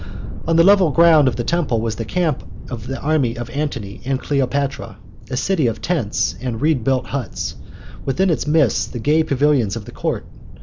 On the level ground by the temple was the camp of the army of Antony and Cleopatra, a city of tents and reed built huts, within its midst the gay pavilions of the Court.